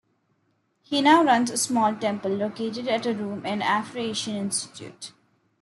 He now runs a small temple, located at a room in the Afro-Asian Institute.